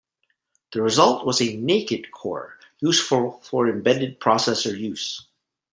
The result was a "naked" core, useful for embedded processor use.